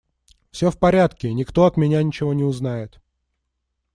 Все в порядке, и никто от меня ничего не узнает.